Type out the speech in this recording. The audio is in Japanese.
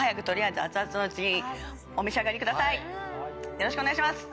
よろしくお願いします。